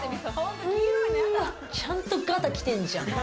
ちゃんとガタきてんじゃん！